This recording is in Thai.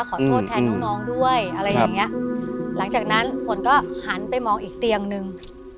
ขอโทษแทนน้องน้องด้วยอะไรอย่างเงี้ยหลังจากนั้นฝนก็หันไปมองอีกเตียงนึง